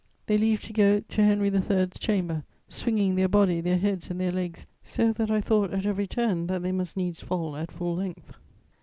They leave to go to Henry III.'s chamber, "swinging their body, their heads and their legs so that I thought at every turn that they must needs fall at full length....